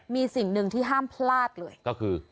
มีสิ่งหนึ่งที่ห้ามพลาดเลยก็คือ